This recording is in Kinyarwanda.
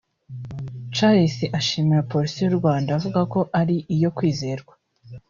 Charles ashimira Polisi y’u Rwanda avuga ko ari iyo kwizerwa